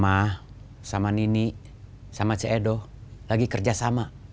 mama sama nini sama ce edo lagi kerja sama